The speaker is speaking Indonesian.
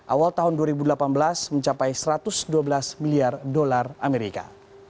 awal tahun dua ribu delapan belas mencapai satu ratus dua belas miliar dolar amerika